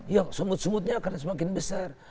ya semut semutnya akan semakin besar